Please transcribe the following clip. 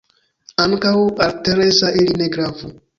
Ankaŭ al Tereza ili ne gravu.